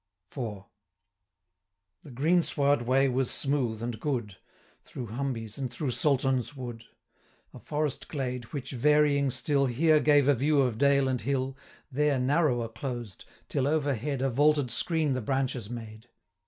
IV. The green sward way was smooth and good, Through Humbie's and through Saltoun's wood; A forest glade, which, varying still, 70 Here gave a view of dale and hill, There narrower closed, till over head A vaulted screen the branches made.